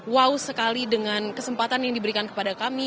wow sekali dengan kesempatan yang diberikan kepada kami